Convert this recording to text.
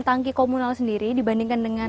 tangki komunal sendiri dibandingkan dengan